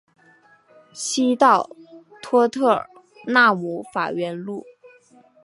西到托特纳姆法院路。